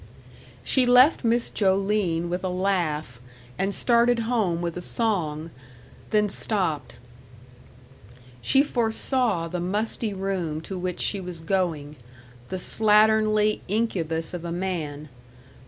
She left Miss Joline with a laugh, and started home with a song then stopped. She foresaw the musty room to which she was going, the slatternly incubus of a man.